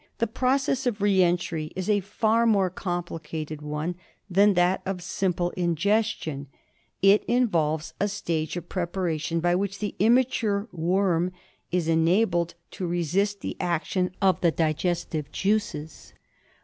The process of re entry is a far more complicated one than that of simple ingestion; it involves a stage of pre paration by which the immature worm is enabled to resist the action of the digestive juices.